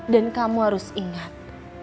dan kamu harus ingat